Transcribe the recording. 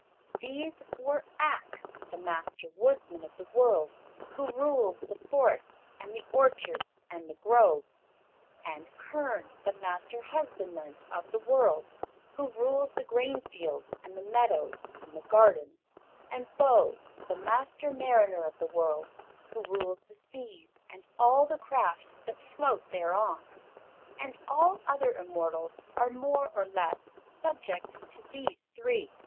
These were Ak, the Master Woodsman of the World, who rules the forests and the orchards and the groves; and Kern, the Master Husbandman of the World, who rules the grain fields and the meadows and the gardens; and Bo, the Master Mariner of the World, who rules the seas and all the craft that float thereon. And all other immortals are more or less subject to these three.